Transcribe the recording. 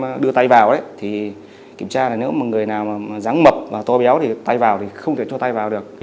khi đưa tay vào kiểm tra là nếu người nào ráng mập và to béo thì tay vào thì không thể cho tay vào được